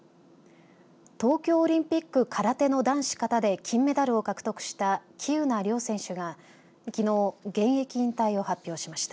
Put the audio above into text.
東京オリンピック空手の男子、形で金メダルを獲得した喜友名諒選手がきのう現役引退を発表しました。